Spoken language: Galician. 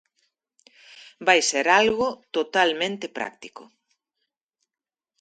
Vai ser algo totalmente práctico.